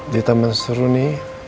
di taman seruni